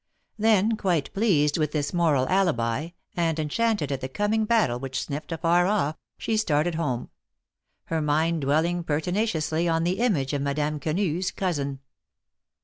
Then quite pleased with this moral alibi, and enchanted at the coming battle which she sniffed afar off, she started home — her mind dwelling pertinaciously on the image of Madame Quenu's cousin.